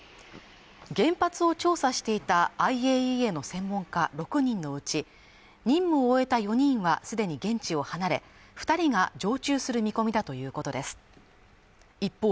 原発を調査していたＩＡＥＡの専門家６人のうち任務を終えた４人はすでに現地を離れ二人が常駐する見込みだということです一方